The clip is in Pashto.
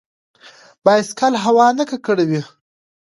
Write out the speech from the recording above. بایسکل هوا نه ککړوي.